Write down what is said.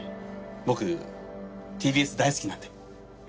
僕ＴＢＳ大好きなんで。